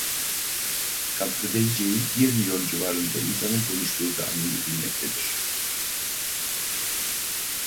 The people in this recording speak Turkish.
Kabardeyceyi bir milyon civarında insanın konuştuğu tahmin edilmektedir.